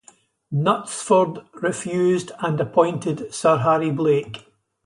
Knutsford refused and appointed Sir Harry Blake.